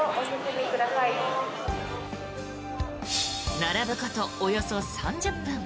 並ぶことおよそ３０分。